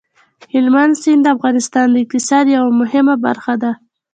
هلمند سیند د افغانستان د اقتصاد یوه مهمه برخه ده.